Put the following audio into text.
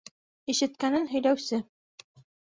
- Ишеткәнен һөйләүсе.